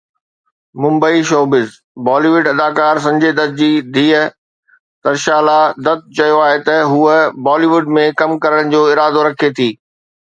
Mumbai (showbiz news) Bollywood اداڪار سنجي دت جي ڌيءَ ترشالا دت چيو آهي ته هوءَ بالي ووڊ ۾ ڪم ڪرڻ جو ارادو رکي ٿي.